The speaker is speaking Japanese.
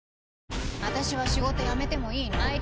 私は仕事辞めてもいいの？